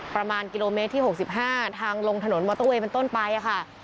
ประมาณกิโลเมตรที่๖๕ทางลงถนนมอเตอร์เวย์เป็นต้นไปค่ะ